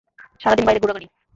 সারাদিন বাইরে ঘুরাঘুরি!